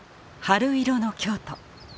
春色の京都。